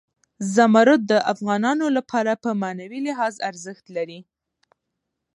زمرد د افغانانو لپاره په معنوي لحاظ ارزښت لري.